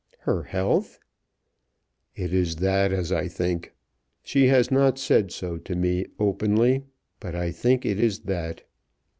"Her health!" "It is that as I think. She has not said so to me openly; but I think it is that.